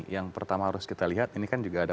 yang pertama harus kita lihat ini kan juga ada